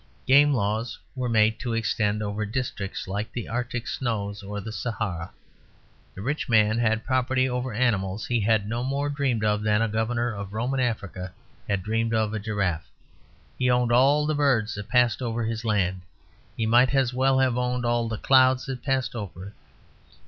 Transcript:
Game laws were made to extend over districts like the Arctic snows or the Sahara. The rich man had property over animals he had no more dreamed of than a governor of Roman Africa had dreamed of a giraffe. He owned all the birds that passed over his land: he might as well have owned all the clouds that passed over it.